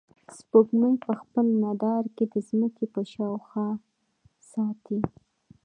سپوږمۍ په خپل مدار کې د ځمکې په شاوخوا ساتي.